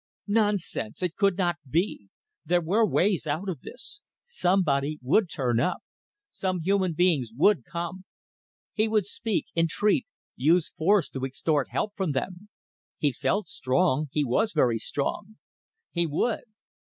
Nonsense! It could not be. There were ways out of this. Somebody would turn up. Some human beings would come. He would speak, entreat use force to extort help from them. He felt strong; he was very strong. He would ...